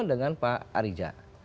dengan pak arija